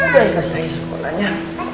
udah selesai sekolahnya